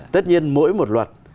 tất nhiên mỗi một luật